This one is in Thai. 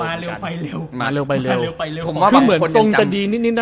คือเหมือนตรงจะดีนิดนะ